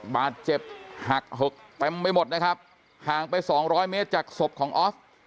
บาดเจ็บหักเหิกเต็มไปหมดนะครับห่างไปสองร้อยเมตรจากศพของออฟ